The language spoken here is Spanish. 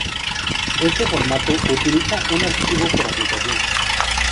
Este formato utiliza un archivo por aplicación.